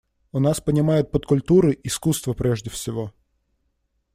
У нас понимают под «культурой» искусство прежде всего.